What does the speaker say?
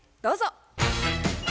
どうぞ。